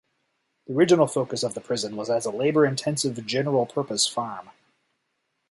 The original focus of the prison was as a labor-intensive general-purpose farm.